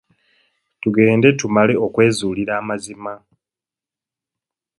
Tugende tumale okwezuulira amazima.